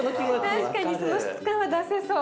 確かにその質感は出せそう。